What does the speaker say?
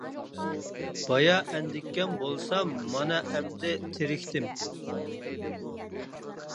بايا ئەندىككەن بولسام، مانا ئەمدى تېرىكتىم.